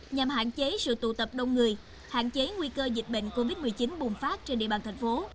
nhằm hạn chế sự tụ tập đông người hạn chế nguy cơ dịch bệnh covid một mươi chín bùng phát trên địa bàn thành phố